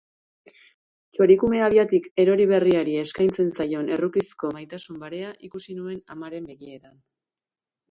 Txorikume habiatik erori berriari eskaintzen zaion errukizko maitasun barea ikusi nuen amaren begietan.